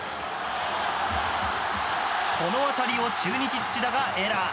この当たりを中日、土田がエラー。